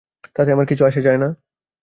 তাতে আমার কিছু আসে যায় না।